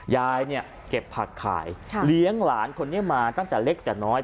ยายเนี่ยเก็บผักขายเลี้ยงหลานคนนี้มาตั้งแต่เล็กแต่น้อย